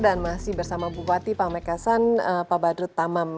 dan masih bersama bupati pak mekasan pak badrut tamam